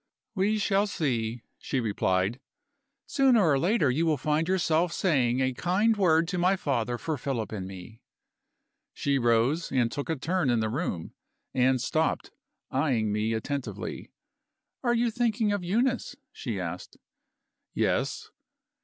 "We shall see," she replied. "Sooner or later, you will find yourself saying a kind word to my father for Philip and me." She rose, and took a turn in the room and stopped, eying me attentively. "Are you thinking of Eunice?" she asked. "Yes."